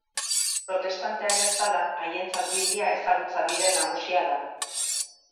Protestanteak bezala, haientzat Biblia ezagutza bide nagusia da.